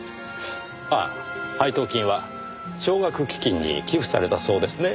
あっ配当金は奨学基金に寄付されたそうですね。